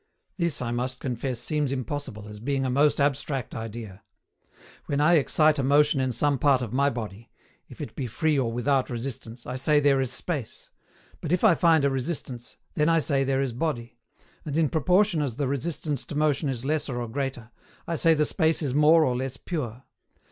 This I must confess seems impossible, as being a most abstract idea. When I excite a motion in some part of my body, if it be free or without resistance, I say there is Space; but if I find a resistance, then I say there is Body; and in proportion as the resistance to motion is lesser or greater, I say the space is more or less pure.